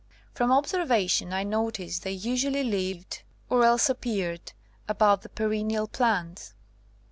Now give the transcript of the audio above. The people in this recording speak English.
From observation I notice they usu ally lived or else appeared about the peren nial plants.